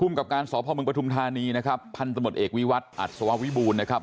ภูมิกับการสอบภาวเมืองปฐุมธานีนะครับพันธุ์สมุทรเอกวิวัตน์อัศววิบูรณ์นะครับ